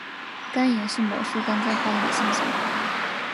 肝炎是描述肝脏发炎的现象。